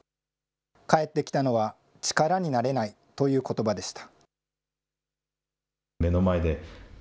返ってきたのは、力になれないということばでした。